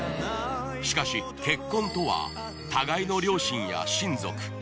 しかし結婚とは互いの両親や親族